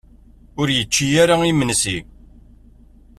Ur yečči ara imensi?